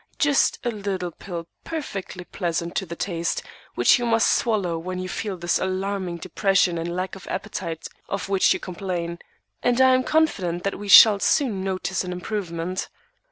Just a little pill, perfectly pleasant to the taste, which you must swallow when you feel this alarming depression and lack of appetite of which you complain; and I am confident that we shall soon notice an improvement.